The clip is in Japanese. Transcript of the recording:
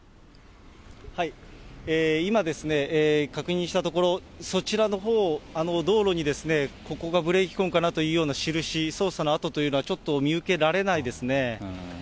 今ですね、確認したところ、そちらのほう、道路にここがブレーキ痕かなというような印、操作の跡というのはちょっと見受けられないですね。